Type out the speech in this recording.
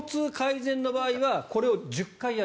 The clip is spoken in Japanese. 腰痛改善の場合はこれを１０回やる。